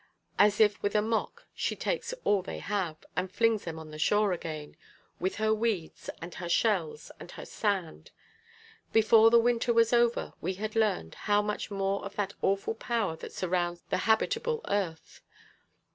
As if with a mock she takes all they have, and flings them on shore again, with her weeds, and her shells, and her sand. Before the winter was over we had learned how much more of that awful power that surrounds the habitable earth!